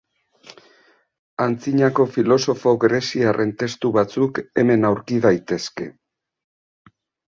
Antzinako filosofo greziarren testu batzuk hemen aurki daitezke.